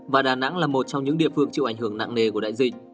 và đà nẵng là một trong những địa phương chịu ảnh hưởng nặng nề của đại dịch